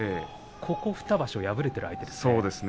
ここ２場所敗れている相手ですね。